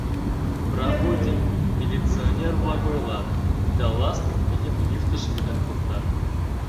Проводим, — милиционер-влак ойлат да Ластыквийым лифтыш вӱден пуртат.